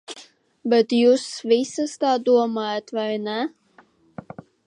Bet jūs visas tā domājat, vai ne?